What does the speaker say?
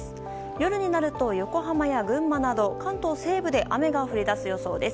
夜になると、横浜や群馬など関東西部で雨が降り出す予想です。